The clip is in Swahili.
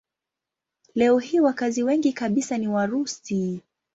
Leo hii wakazi wengi kabisa ni Warusi.